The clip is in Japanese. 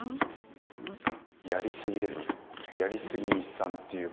やりすぎですね。